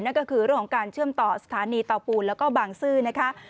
นั่นก็คือเรื่องของการเชื่อมต่อสถานีเตาปูนแล้วก็บางซื่อนะคะ